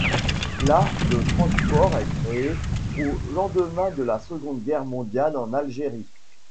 La de transport est créée au lendemain de la Seconde Guerre mondiale en Algérie.